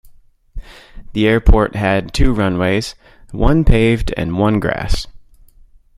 The airport had two runways, one paved and one grass.